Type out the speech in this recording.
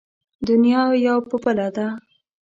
دنيا يو په بله ده.